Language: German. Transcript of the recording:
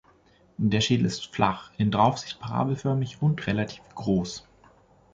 Der Schädel ist flach, in Draufsicht parabelförmig und relativ groß.